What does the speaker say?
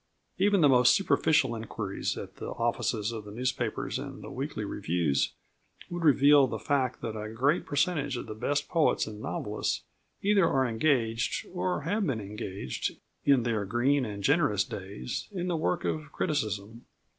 Even the most superficial enquiries at the offices of the newspapers and the weekly reviews would reveal the fact that a great percentage of the best poets and novelists either are engaged, or have been engaged in their green and generous days, in the work of criticism.